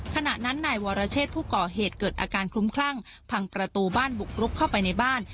ขณะนั้นนายวรเชษผู้ก่อเหตุเกิดอาการคลุ้มคลั่งพังประตูบ้านบุกรุกเข้าไปในบ้าน